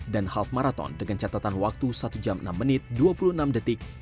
dan half marathon dengan catatan waktu satu jam enam menit dua puluh enam detik